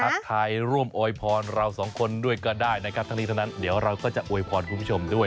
ทายร่วมโอยพรเราสองคนด้วยก็ได้นะครับทั้งนี้ทั้งนั้นเดี๋ยวเราก็จะอวยพรคุณผู้ชมด้วย